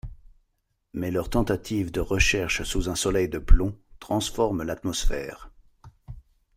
Mais leurs tentatives de recherche sous un soleil de plomb transforment l'atmosphère.